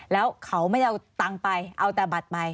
แล้วเขาไม่ได้เอาตังค์ไปเอาแต่บัตรไป